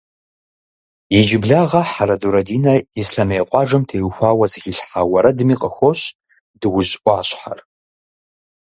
Иджыблагъэ Хьэрэдурэ Динэ Ислъэмей къуажэм теухуауэ зэхилъхьа уэрэдми къыхощ Дуужь ӏуащхьэр.